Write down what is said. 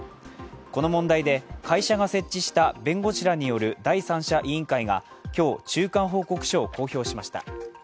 この問題で、会社が設置した弁護士らによる第三者委員会が今日、中間報告書を公表しました。